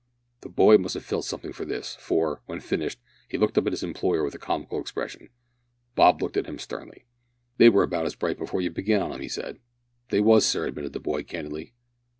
The boy must have felt something of this, for, when finished, he looked up at his employer with a comical expression. Bob looked at him sternly. "They were about as bright before you began on 'em," he said. "They was, sir," admitted the boy, candidly.